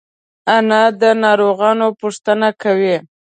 انا د ناروغانو پوښتنه کوي